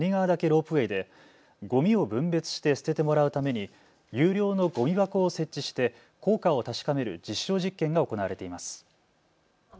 ロープウェイでごみを分別して捨ててもらうために有料のごみ箱を設置して効果を確かめる実証実験が行われています。